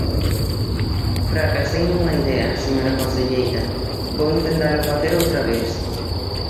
Fracasei nunha idea, señora conselleira, vou intentalo facer outra vez.